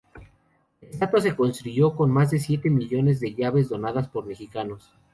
La estatua se construyó con más de siete millones de llaves donadas por mexicanos.